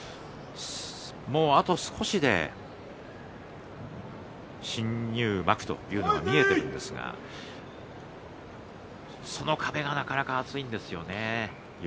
もうあと少しで新入幕というところが見えているんですがその壁がなかなか厚いんですよね。